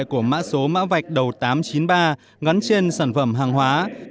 của mã số mã vạch đầu tám trăm chín mươi ba gắn trên sản phẩm hàng hóa